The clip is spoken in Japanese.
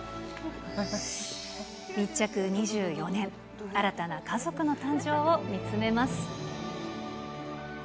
密着２４年、新たな家族の誕生を見つめます。